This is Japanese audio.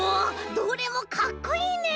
どれもかっこいいねえ！